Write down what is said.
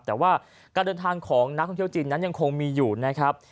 แต่ว่าการเดินทางของนักท่องเที่ยวจีนนั้นยังคงมีอยู่นะครับ